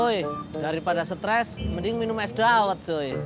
cuy daripada stres mending minum es dawet cuy